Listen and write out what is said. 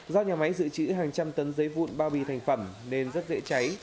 do nhà máy dự trữ hàng trăm tấn giấy vụn bao bì thành phẩm nên rất dễ cháy